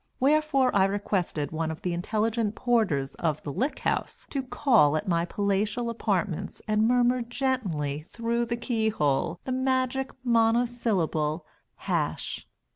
wherefore I requested one of the intelligent porters of the Lick House to call at my palatial apartments, and murmur gently through the key hole the magic monosyllable "Hash!"